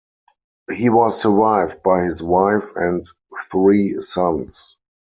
He was survived by his wife and three sons.